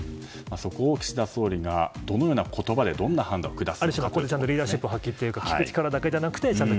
そこを岸田総理がどのような言葉でどのような判断をするか。